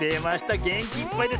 げんきいっぱいですね！